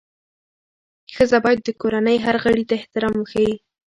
ښځه باید د کورنۍ هر غړي ته احترام وښيي.